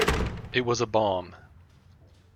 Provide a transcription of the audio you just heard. It was a bomb.